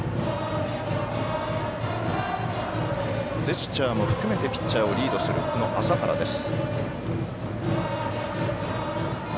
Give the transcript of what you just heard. ジェスチャーも含めてピッチャーをリードするこの麻原です。